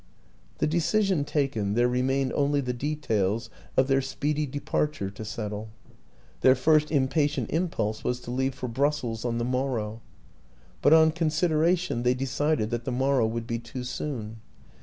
The decision taken, there remained only the details of their speedy departure to settle. Their first impatient impulse was to leave for Brussels on the morrow, but on consideration they decided that the morrow would be too soon.